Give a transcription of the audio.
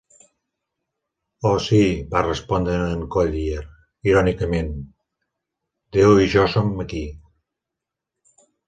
"Oh sí", va respondre en Collyer, irònicament, "Déu i jo som aquí".